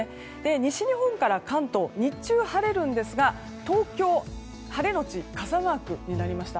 西日本から関東日中は晴れるんですが東京晴れのち傘マークになりました。